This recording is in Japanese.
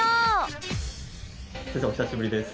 先生お久しぶりです。